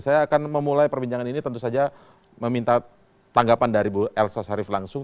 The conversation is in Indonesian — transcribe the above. saya akan memulai perbincangan ini tentu saja meminta tanggapan dari bu elsa sharif langsung